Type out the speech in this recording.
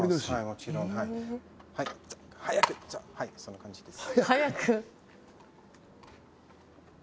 もちろんはいそんな感じです